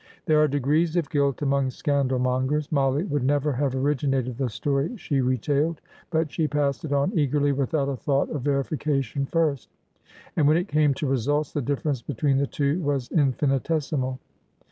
There are degrees of guilt among scandal mongers. Mollie would never have originated the story she retailed, but she passed it on eagerly, without a thought of verifi cation first; and when it came to results, the difference between the two was infinitesimal.